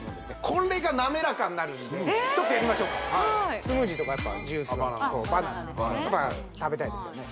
これがなめらかになるんでちょっとやりましょうかスムージーとかやっぱジュースバナナやっぱ食べたいですよね